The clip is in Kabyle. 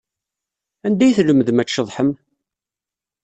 Anda ay tlemdem ad tceḍḥem?